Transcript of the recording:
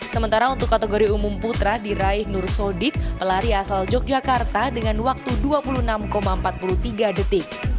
sementara untuk kategori umum putra diraih nur sodik pelari asal yogyakarta dengan waktu dua puluh enam empat puluh tiga detik